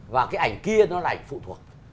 và cái ảnh kia nó là ảnh phụ thuộc